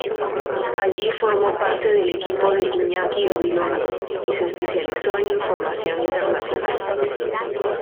Allí formó parte del equipo de Iñaki Gabilondo y se especializó en información internacional.